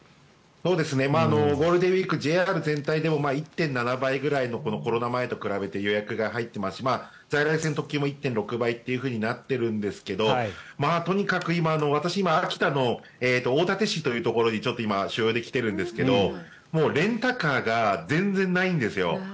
ゴールデンウィークＪＲ全体でも１．７倍くらいのコロナ前と比べて予約が入っていますし在来線特急も１．６倍となっているんですがとにかく私、今秋田の大館市というところに今、取材できてるんですけどレンタカーが全然ないんですよ。